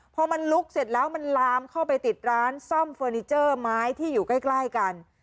พอมันลุกเสร็จแล้วมันลามเข้าไปติดร้านซ่อมเฟอร์นิเจอร์ไม้ที่อยู่ใกล้กัน